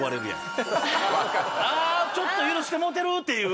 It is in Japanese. あちょっと許してもらってるっていう。